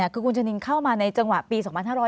คือคุณชะนินเข้ามาในจังหวะปี๒๕๖๐